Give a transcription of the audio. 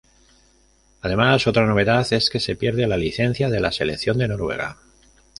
Además, otra novedad es que se pierde la licencia de la selección de Noruega.